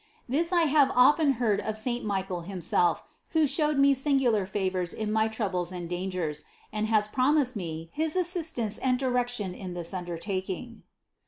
This I have often heard of saint Michael himself, who showed me singular favors in my troubles and dangers, and has promised me his assistance and direction in this under taking.